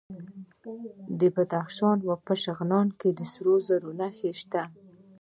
د بدخشان په شغنان کې د سرو زرو نښې شته.